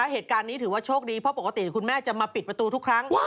เหตุการณ์นี้ถือว่าโชคดีเพราะปกติคุณแม่จะมาปิดประตูทุกครั้ง